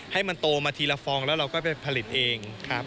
ให้มันโตมาทีละฟองแล้วเราก็ไปผลิตเองครับ